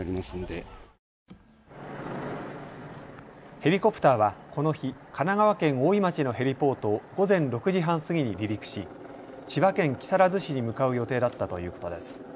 ヘリコプターはこの日、神奈川県大井町のヘリポートを午前６時半過ぎに離陸し千葉県木更津市に向かう予定だったということです。